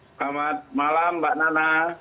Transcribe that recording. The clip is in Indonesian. selamat malam mbak nana